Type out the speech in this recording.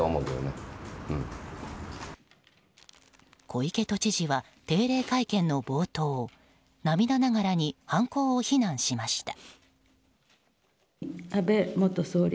小池都知事は定例会見の冒頭涙ながらに犯行を非難しました。